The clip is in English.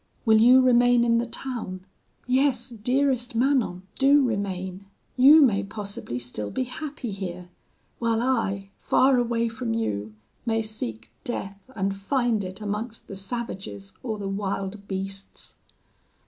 Will you remain in the town? Yes dearest Manon, do remain; you may possibly still be happy here; while I, far away from you, may seek death and find it amongst the savages, or the wild beasts.'